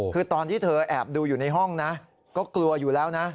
คือตอนที่เธอแอบดูอยู่ในห้องนะก็กลัวอยู่แล้วนะ